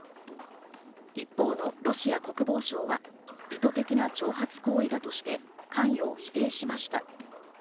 一方のロシア国防省は意図的な挑発行為だとして関与を否定しました。